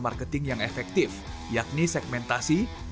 yang pertama adalah mencari target yang efektif